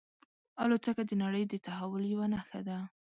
الوتکه د نړۍ د تحول یوه نښه ده.